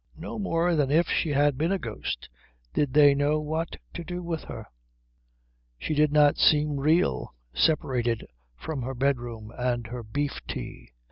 No more than if she had been a ghost did they know what to do with her. She did not seem real, separated from her bedroom and her beef tea.